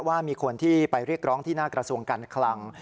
ว่ามีคนที่ไปเรียกร้องที่หน้ากระทรวงการคลัง